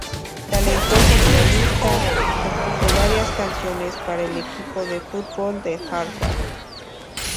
Talentoso pianista, compuso varias canciones para el equipo de fútbol de Harvard.